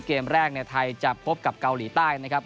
เกมแรกในไทยจะพบกับเกาหลีใต้นะครับ